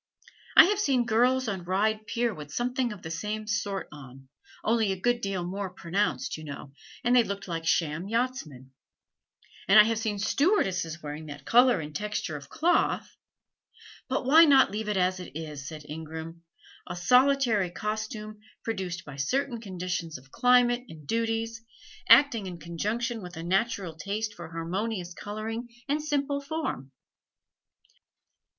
I have seen girls on Ryde Pier with something of the same sort on, only a good deal more pronounced, you know, and they looked like sham yachtsmen; and I have seen stewardesses wearing that color and texture of cloth " "But why not leave it as it is," said Ingram "a solitary costume produced by certain conditions of climate and duties, acting in conjunction with a natural taste for harmonious coloring and simple form?